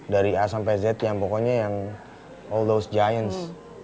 dari a sampai z yang pokoknya yang all loss giants